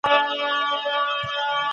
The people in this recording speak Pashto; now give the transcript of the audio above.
دوی خپل تخنيکي تجهيزات نه وو برابر کړي.